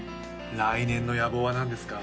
来年の野望は何ですか？